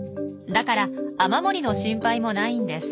だから雨漏りの心配もないんです。